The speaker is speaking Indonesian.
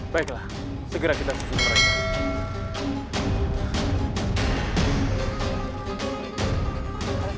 baiklah segera kita susun perang